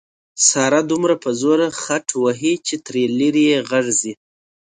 ساره دومره په زوره خټ وهي چې تر لرې یې غږ ځي.